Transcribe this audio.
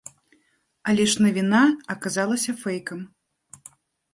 Але ж навіна аказалася фэйкам.